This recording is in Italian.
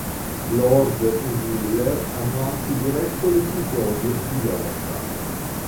Lord e Miller hanno anche diretto l'episodio pilota.